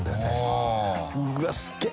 「うわすげえ！